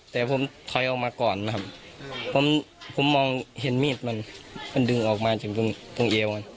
แต่ผมถอยออกมาก่อนนะครับผมมองเห็นมีดมันมันดึงออกมาถึงตรงเอวมัน